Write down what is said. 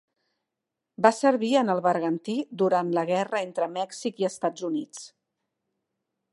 Va servir en el bergantí durant la guerra entre Mèxic i Estats Units.